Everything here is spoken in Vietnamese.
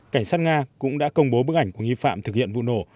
cảnh sát nga cũng đã công bố bức ảnh của nghi phạm thực hiện vụ nổ